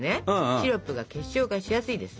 シロップが結晶化しやすいです。